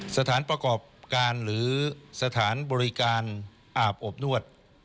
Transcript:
สถานประกอบการหรือสถานบริการอาบอบนวด